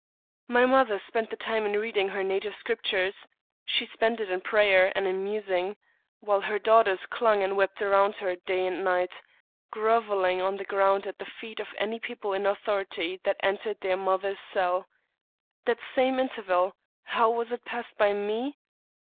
My mother spent the time in reading her native Scriptures ; she •spent it in prayer and in musing ; while her daughters clung and wept around her day and night — groveling on the ;ground at the feet of any people in authority that entered their mother's cell. That same interval — how was it passed hy me?